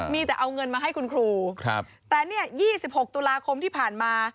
มีแต่เอาเงินมาให้คุณครูครับแต่เนี่ย๒๖ตุลาคมที่ผ่านมา